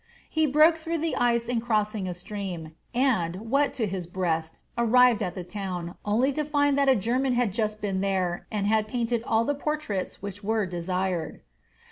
He broke through the ice in crossing a stream, and, wet to his breast, arrived at the town, only to find that a German had just been there, and had painted all the portraits which were desired.